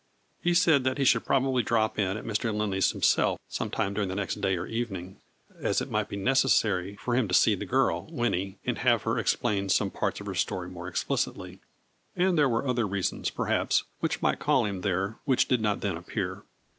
He said that he should probably drop in at Mr. 168 A FLURRY IN DIAMONDS. Lindley 's himself sometime during the next day or evening, as it might be necessary for him to see the girl, Winnie, and have her explain some parts of her story more explicitly, and there were other reasons, perhaps, which might call him there which did not then appear.